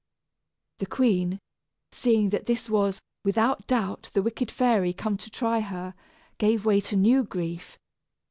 The queen, seeing that this was, without doubt, the wicked fairy come to try her, gave way to new grief.